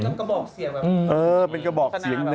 ในเกมกระบอกเสียงแบบนี้